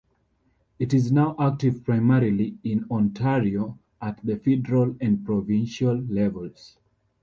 It is now active primarily in Ontario at the federal and provincial levels.